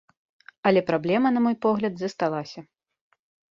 Але праблема, на мой погляд, засталася.